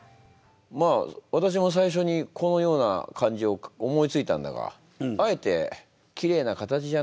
まあ私も最初にこのような感じを思いついたんだがあえてきれいな形じゃなくて崩した感じ